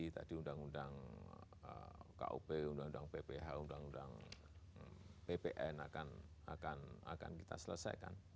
tadi undang undang kup undang undang pph undang undang ppn akan kita selesaikan